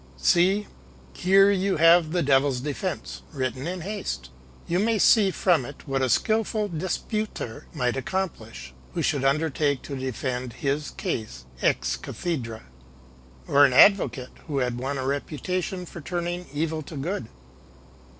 * See, here you have the Devil's defense, written in haste. * You may see from it what a skillful disputator might accomplish, who should undertake to defend his case ex calhedra^ or an advocate who had won a reputation for turning evil to good.'